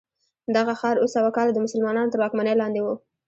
دغه ښار اوه سوه کاله د مسلمانانو تر واکمنۍ لاندې و.